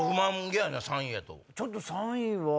ちょっと３位は。